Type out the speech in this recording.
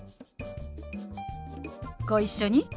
ご一緒に。